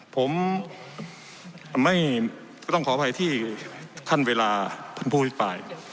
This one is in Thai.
ผมไม่ต้องขออภัยที่ท่านเวลาพูดไป